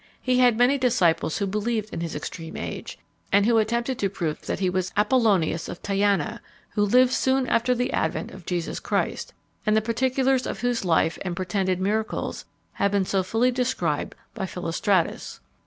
He had many disciples who believed in his extreme age, and who attempted to prove that he was Apollonius of Tyana, who lived soon after the advent of Jesus Christ, and the particulars of whose life and pretended miracles have been so fully described by Philostratus.